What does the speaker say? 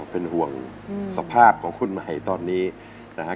เป็นห่วงสภาพของคุณใหม่ตอนนี้นะฮะ